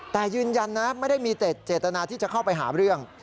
แต่ยืนยันนะไม่ได้มีแต่เจตนาที่จะเข้าไปหาเรื่อง